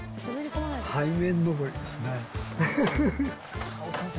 背面上りですね。